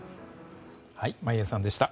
眞家さんでした。